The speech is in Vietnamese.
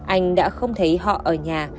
anh đã không thấy họ ở nhà